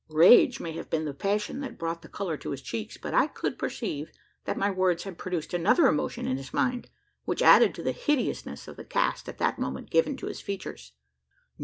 Rage may have been the passion that brought the colour to his cheeks; but I could perceive that my words had produced another emotion in his mind, which added to the hideousness of the cast at that moment given to his features.